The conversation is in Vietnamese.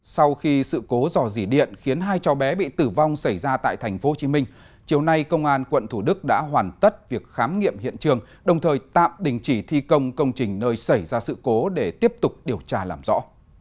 sau khi sự cố dò dỉ điện khiến hai cháu bé bị tử vong xảy ra tại tp hcm chiều nay công an quận thủ đức đã hoàn tất việc khám nghiệm hiện trường đồng thời tạm đình chỉ thi công công trình nơi xảy ra sự cố để tiếp tục điều tra làm rõ